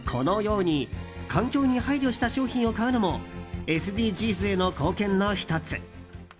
このように環境に配慮した商品を買うのもＳＤＧｓへの貢献の１つ。